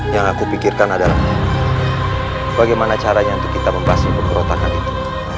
yang aku pikirkan adalah bagaimana caranya untuk kita membahasnya pemberontakan itu